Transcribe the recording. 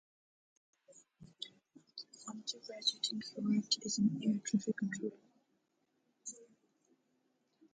After graduating, he worked as an air traffic controller.